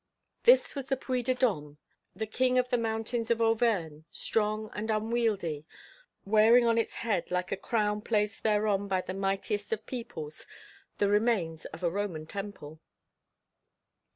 This was the Puy de Dome, the king of the mountains of Auvergne, strong and unwieldy, wearing on its head, like a crown placed thereon by the mightiest of peoples, the remains of a Roman temple.